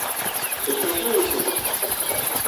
Beş altı ay oturduk.